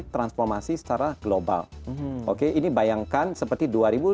transformasi secara global oke ini bayangkan seperti dua ribu dua puluh